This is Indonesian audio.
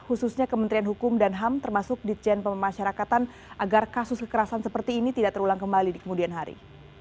khususnya kementerian hukum dan ham termasuk ditjen pemasyarakatan agar kasus kekerasan seperti ini tidak terulang kembali di kemudian hari